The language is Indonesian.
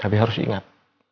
tapi harus ingat